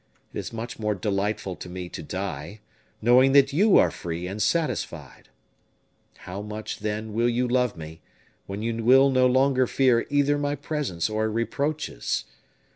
It is much more delightful to me to die, knowing that you are free and satisfied. How much, then, will you love me, when you will no longer fear either my presence or reproaches?